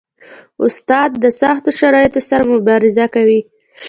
استاد د سختو شرایطو سره مبارزه کوي.